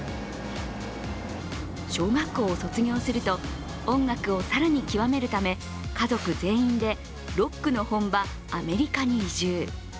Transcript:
小学校を卒業すると、音楽を更に極めるため家族全員でロックの本場、アメリカに移住。